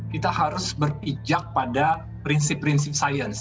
kita harus berpijak pada prinsip prinsip sains